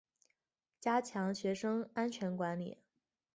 加强学生安全管理